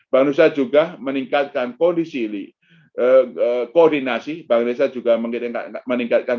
bank indonesia juga meningkatkan